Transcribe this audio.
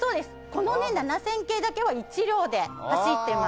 この７０００系だけは１両で走ってます。